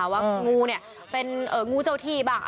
ว่างูเป็นงูเจ้าที่บ้าง